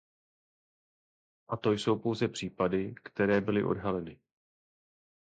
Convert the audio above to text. A to jsou pouze případy, které byly odhaleny.